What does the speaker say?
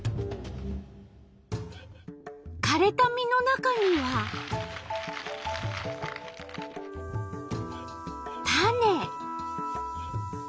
かれた実の中には種。